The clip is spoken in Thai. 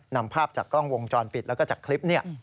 นำภาพจากกล้องวงจรปิดแล้วก็จากคลิปนี้